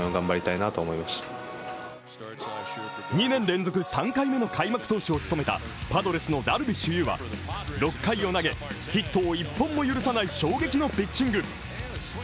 ２年連続３度目の開幕投手を務めたパドレスのダルビッシュ有は６回を投げヒットを１本も許さない衝撃のピッチング。